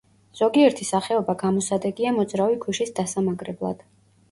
ზოგიერთი სახეობა გამოსადეგია მოძრავი ქვიშის დასამაგრებლად.